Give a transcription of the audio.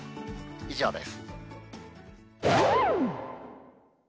以上です。